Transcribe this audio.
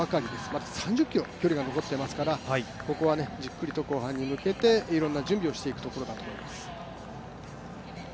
まだ３０ｋｍ距離が残っていますからここはじっくりと後半に向けていろんな準備をしていくところだと思います。